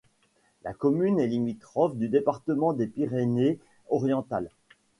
La commune est limitrophe du département des Pyrénées-Orientales.